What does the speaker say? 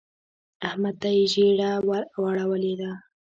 احمد ته يې ژیړه ور واړولې ده.